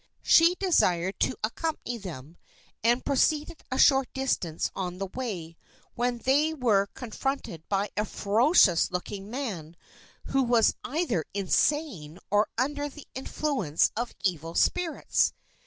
She desired to accompany them, and proceeded a short distance on the way, when they were confronted by a ferocious looking man who was either insane or under the influence of evil spirits.